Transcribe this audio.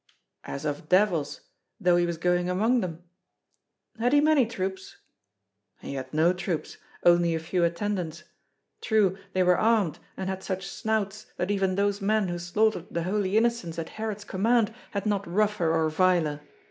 "As of devils, though he was going among them." "Had he many troops?" "He had no troops, only a few attendants; true, they were armed, and had such snouts that even those men who slaughtered the Holy Innocents at Herod's command had not rougher or viler.